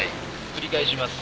繰り返します。